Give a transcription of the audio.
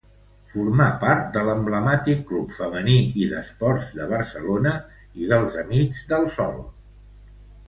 Formà part de l'emblemàtic Club Femení i d'Esports, de Barcelona, i dels Amics del Sol.